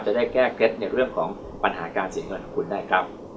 แล้วก็ไปแก้เคล็ดเรื่องของปัญหาการเสียงของคุณได้ครับ